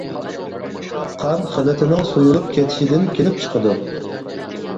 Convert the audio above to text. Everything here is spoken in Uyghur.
قان خىلىتىنىڭ سۇيۇلۇپ كېتىشىدىن كېلىپ چىقىدۇ.